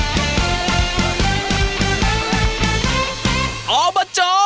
สวัสดีครับ